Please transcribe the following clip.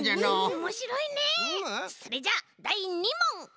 それじゃあだい２もん！